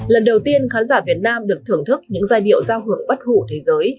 lần đầu tiên khán giả việt nam được thưởng thức những giai điệu giao hưởng bất hủ thế giới